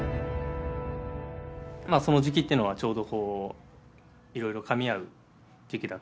その時期っていうのはちょうどいろいろかみ合う時期だったなとは思います。